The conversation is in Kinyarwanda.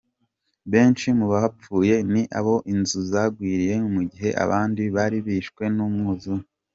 Benshi mu bapfuye ni abo inzu zagwiriye mu gihe abandi ari abishwe n’umwuzure.